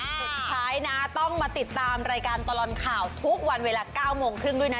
สุดท้ายนะต้องมาติดตามรายการตลอดข่าวทุกวันเวลา๙โมงครึ่งด้วยนะ